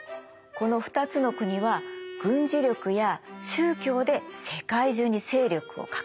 この２つの国は軍事力や宗教で世界中に勢力を拡大してたの。